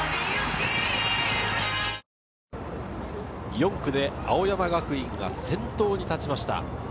４区で青山学院が先頭に立ちました。